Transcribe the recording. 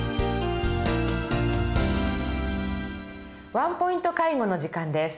「ワンポイント介護」の時間です。